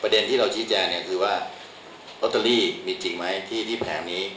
ประเด็นที่เราชี้แจกเนี่ยคือว่าโรตเตอรี่มีจริงมั้ยที่แผงนี้